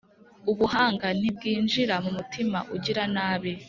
Ubuhanga ntibwinjira mu mutima ugira nabi,